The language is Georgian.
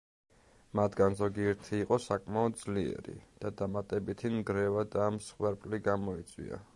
მათგან ზოგიერთი იყო საკმაოდ ძლიერი და დამატებითი ნგრევა და მსხვერპლი გამოიწვია.